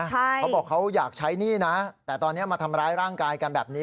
เขาบอกเขาอยากใช้หนี้นะแต่ตอนนี้มาทำร้ายร่างกายกันแบบนี้